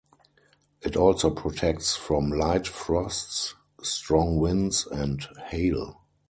It also protects from light frosts, strong winds and hail.